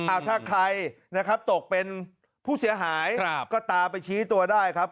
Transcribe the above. เอาถ้าใครนะครับตกเป็นผู้เสียหายก็ตามไปชี้ตัวได้ครับ